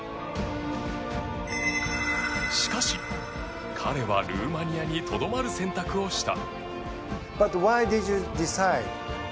しかし彼はルーマニアにとどまる選択をした。